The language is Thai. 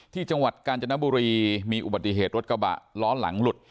จังหวัดกาญจนบุรีมีอุบัติเหตุรถกระบะล้อหลังหลุด